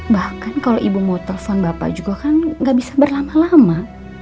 bahkan kalau ibu mau telepon bapak juga kan gak bisa berlama lama